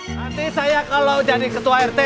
nanti saya kalau jadi ketua rt